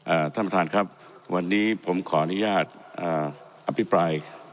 ท่านประธานครับวันนี้ผมขออนุญาตอ่าอภิปราย